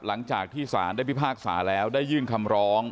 หลังจากที่สารได้พิพากษาแล้วได้ยื่นคำร้อง